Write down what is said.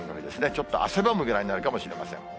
ちょっと汗ばむぐらいになるかもしれません。